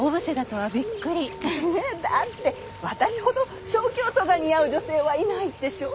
えだって私ほど小京都が似合う女性はいないでしょ？